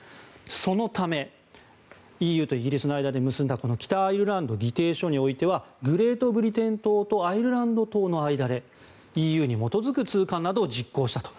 そのためＥＵとイギリスの間で結んだ北アイルランド議定書においてはグレートブリテン島とアイルランド島の間でＥＵに基づく通関などを実行したと。